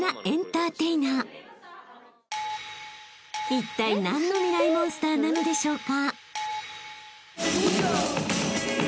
［いったい何のミライ☆モンスターなのでしょうか？］